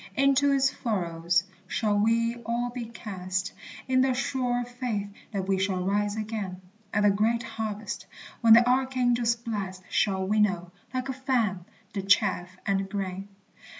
Into its furrows shall we all be cast, In the sure faith that we shall rise again At the great harvest, when the archangel's blast Shall winnow, like a fan, the chaff and grain.